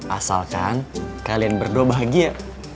asalkan kalian berdoa bahagia